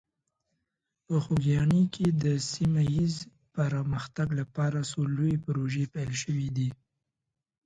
په خوږیاڼي کې د سیمه ایز پرمختګ لپاره څو لویې پروژې پیل شوي دي.